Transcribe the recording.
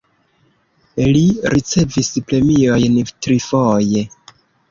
Li ricevis premiojn trifoje.